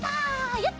やった！